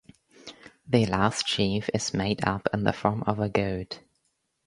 The last sheaf is made up in the form of a goat.